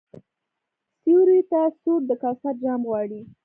سیوري ته سوړ د کوثر جام غواړي